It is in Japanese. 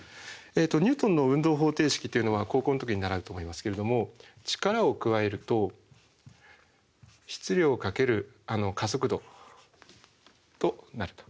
ニュートンの運動方程式というのは高校の時に習うと思いますけれども力を加えると質量×加速度となると。